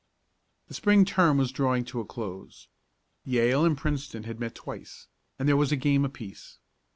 The Spring term was drawing to a close. Yale and Princeton had met twice, and there was a game apiece.